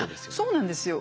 そうなんですよ。